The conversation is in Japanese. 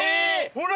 ほら！